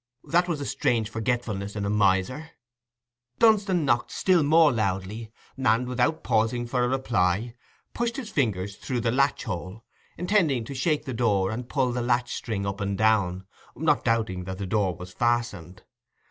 That was a strange forgetfulness in a miser. Dunstan knocked still more loudly, and, without pausing for a reply, pushed his fingers through the latch hole, intending to shake the door and pull the latch string up and down, not doubting that the door was fastened.